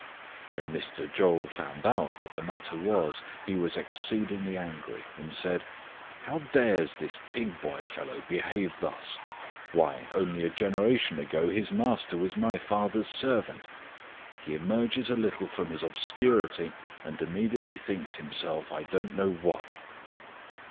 When Mr. Chou found out what the matter was, he was exceedingly angry, and said, " How dares this pig boy fellow behave thus ? Why, only a generation ago his master was my father's servant ! He emerges a little from his obscurity, and immediately thinks himself I don't know what